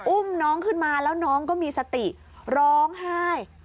อุ้มน้องขึ้นมาแล้วน้องก็มีสติร้องไห้